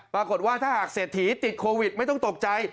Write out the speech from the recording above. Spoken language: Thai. ปรากฏว่าถ้าหากเศรษฐีติดโควิดไม่ต้องตกใจ